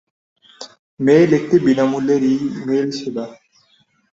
Mail একটি বিনামূল্যের email সেবা।